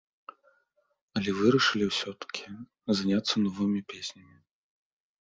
Але вырашылі ўсё-такі заняцца новымі песнямі.